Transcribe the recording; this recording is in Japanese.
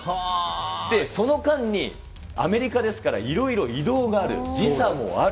その間にアメリカですから、いろいろ移動がある、時差もある。